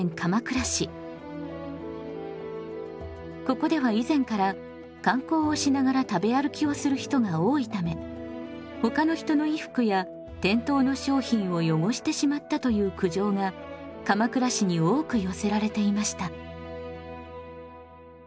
ここでは以前から観光をしながら食べ歩きをする人が多いためほかの人の衣服や店頭の商品を汚してしまったという苦情が鎌倉市に多く寄せられていました。